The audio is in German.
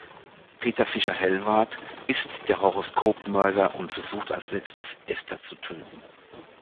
Peter Fischer-Hellwarth ist der Horoskop-Mörder und versucht als letztes Esther zu töten.